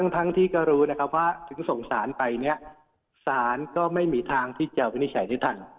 ทั้งที่ก็รู้นะครับว่าถึงส่งสารไปเนี่ยสารก็ไม่มีทางที่จะวินิจฉัยได้ทัน